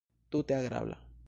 Tute agrabla.